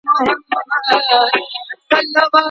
په بل کس ئې زنا کړې وي.